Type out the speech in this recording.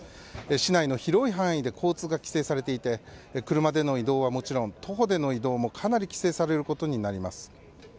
市内の広い範囲で交通が規制されていて車での移動はもちろん徒歩での移動もかなり規制されることになります。